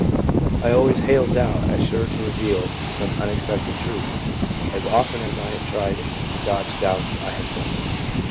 I always hail doubt as sure to reveal some unexpected truth. As often as I have tried to dodge doubts I have suffered.